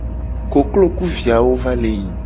Koklo ku viawo va le yi.